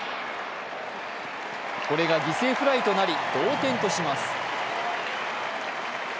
これが犠牲フライとなり同点とします。